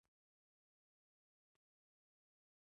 تاسو باید خپلو وروڼو ته وګورئ.